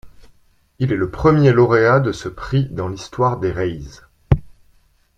Il est le premier lauréat de ce prix dans l'histoire des Rays.